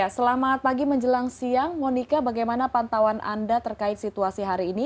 selamat pagi menjelang siang monika bagaimana pantauan anda terkait situasi hari ini